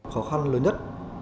khó khăn lớn nhất